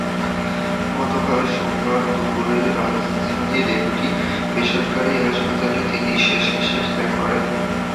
গতকাল সোমবার দুপুরে রাজধানীর একটি বেসরকারি হাসপাতালে তিনি শেষনিশ্বাস ত্যাগ করেন।